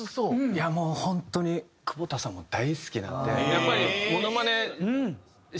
いやもう本当に久保田さんも大好きなのでやっぱり。